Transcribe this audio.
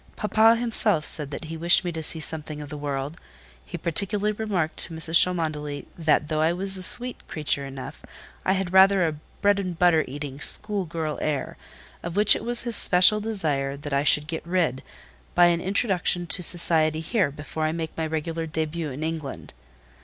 Papa himself said that he wished me to see something of the world; he particularly remarked to Mrs. Cholmondeley, that, though I was a sweet creature enough, I had rather a bread and butter eating, school girl air; of which it was his special desire that I should get rid, by an introduction to society here, before I make my regular début in England.